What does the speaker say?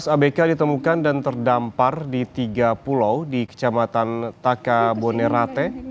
tiga belas abk ditemukan dan terdampar di tiga pulau di kecamatan taka bonerate